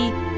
một lần nữa